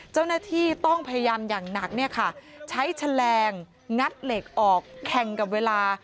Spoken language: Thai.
เจ้าหน้าที่ต้องพยายามอย่างหนักเนี่ยค่ะใช้แฉลงงัดเหล็กออกแข่งกับเวลา